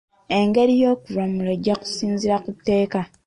Engeri y'okulamula ejja kusinziira ku tteeka.